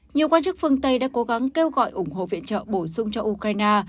nhiều quan chức phương tây đã cố gắng kêu gọi ủng hộ viện trợ bổ sung cho ukraine